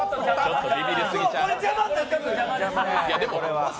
これ邪魔になってくる！